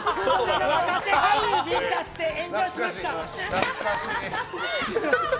若手俳優ビンタして炎上しました！